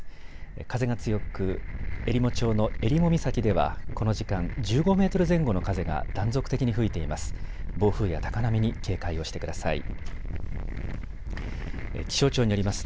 風が強くえりも町のえりも岬ではこの時間、１５メートル前後の風が断続的に吹いています。